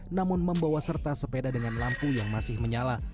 namun membawa serta sepeda dengan lampu yang masih menyala